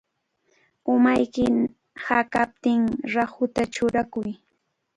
Umayki hakaptin rahuta churakuy.